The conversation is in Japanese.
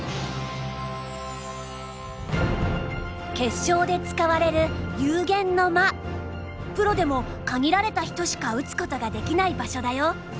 決勝で使われるプロでも限られた人しか打つことができない場所だよ。